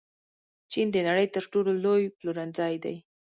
چین د نړۍ تر ټولو لوی پلورنځی دی.